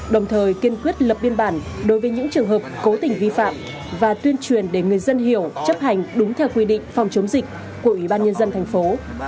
đồng thời kiên quyết lập biên bản đối với những trường hợp cố tình vi phạm và tuyên truyền để người dân hiểu chấp hành đúng theo quy định phòng chống dịch của ủy ban nhân dân thành phố